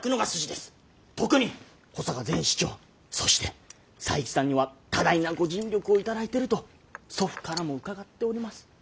特に保坂前市長そして佐伯さんには多大なご尽力を頂いてると祖父からも伺っております。